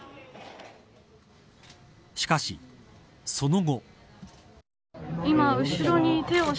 しかし、その後。